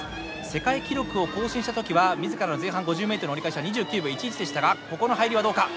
世界記録を更新した時は自らの前半５０ｍの折り返しは２９秒１１でしたがここの入りはどうか？